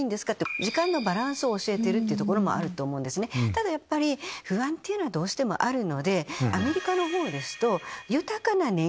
ただやっぱり不安っていうのはどうしてもあるのでアメリカの方ですと。